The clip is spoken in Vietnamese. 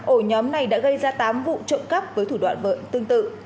ổ nhóm này đã gây ra tám vụ trộm cắp với thủ đoạn bợ tương tự